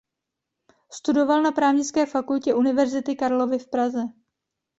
Studoval na Právnické fakultě Univerzity Karlovy v Praze.